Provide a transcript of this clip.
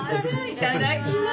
いただきます。